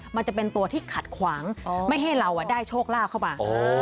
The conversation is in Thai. มันจะเป็นตัวที่ขัดขวางไม่ให้เราได้โชคลาภเข้ามา